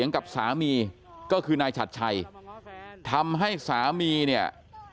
กับสามีก็คือนายฉัดชัยทำให้สามีเนี่ย